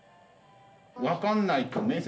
分かんないと面積。